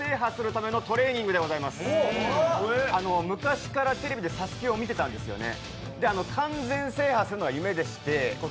昔からテレビで「ＳＡＳＵＫＥ」を見てたんですよね。